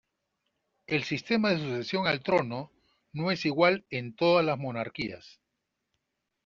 El sistema de sucesión al trono no es igual en todas las monarquías.